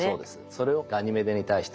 それをガニメデに対してやると。